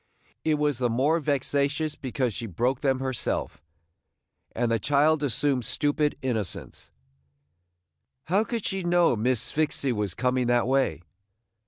It was the more vexatious because she broke them herself. And the child assumed stupid innocence: "How could she know Miss Sphyxy was coming that way?"